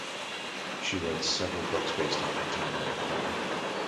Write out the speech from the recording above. She wrote several books based on her time in Ecuador.